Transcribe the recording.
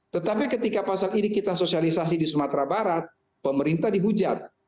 tetapi ketika pasal ini kita sosialisasi di sumatera barat pemerintah dihujat